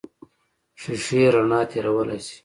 شیشې رڼا تېرولی شي.